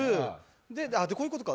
あ、こういうことか。